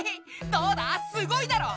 どうだすごいだろう！